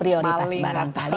prioritas barang tadi